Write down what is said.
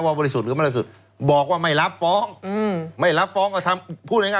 ยังไม่เริ่มเลยว่าอย่างนั้นจะ